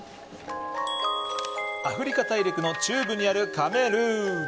アフリカ大陸の中部にあるカメルーン。